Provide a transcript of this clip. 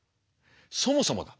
そもそもだ